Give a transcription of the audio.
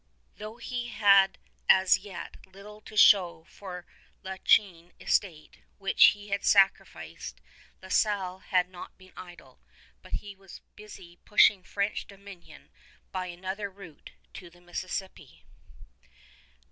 Though he had as yet little to show for the La Chine estate, which he had sacrificed, La Salle had not been idle, but was busy pushing French dominion by another route to the Mississippi.